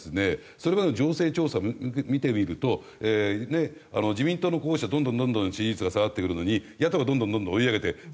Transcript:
それまでの情勢調査を見てみると自民党の候補者どんどんどんどん支持率が下がってくるのに野党がどんどんどんどん追い上げて。